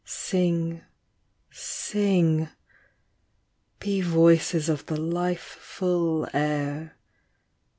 Sing, sing ; be voices of the life ful air.